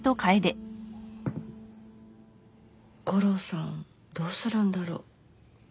悟郎さんどうするんだろ。